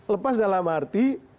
lepas dalam arti